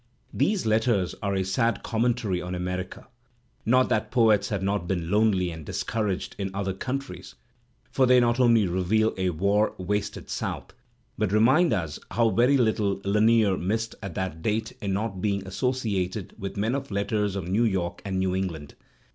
These letters are a sad commentary on America (not that poets have not been lonely and discouraged in other coun tries), for they not only reveal a war wasted South, but remind us how very little Lanier missed at that date in not being associated with the men of letters of New York and New England.